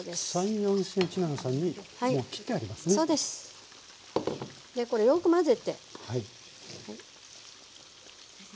でこれよく混ぜて。